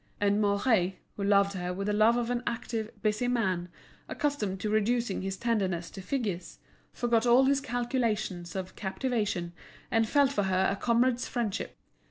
And Mouret, who loved her with the love of an active, busy man, accustomed to reducing his tenderness to figures, forgot all his calculations of captivation, and felt for her a comrade's friendship.